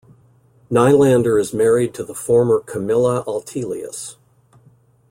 Nylander is married to the former Camilla Altelius.